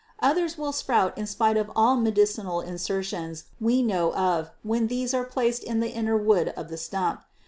Others will sprout in spite of all medicinal insertions we know of when these are placed in the inner wood of the stump.